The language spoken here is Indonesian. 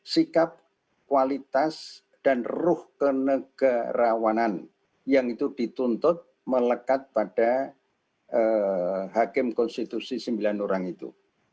sikap kualitas dan ruh kenegarawanan yang itu dituntut melekat pada hakim konstitusi sembilan orang itu